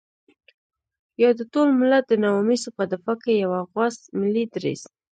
يا د ټول ملت د نواميسو په دفاع کې يو غوڅ ملي دريځ.